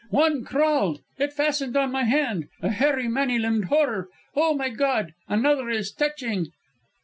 One crawled ... it fastened on my hand ... a hairy, many limbed horror.... Oh, my God! another is touching...."